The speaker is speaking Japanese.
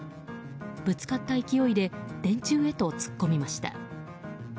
ぶつかった勢いで電柱へと突っ込みました。